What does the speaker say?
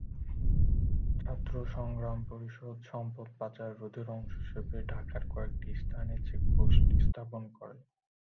ছাত্র সংগ্রাম পরিষদ সম্পদ পাচার রোধের অংশ হিসেবে ঢাকার কয়েকটি স্থানে চেকপোস্ট স্থাপন করে।